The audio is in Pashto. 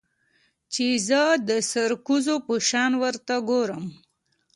چې زه د سرکوزو په شان ورته گورم.